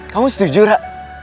kamu setuju ra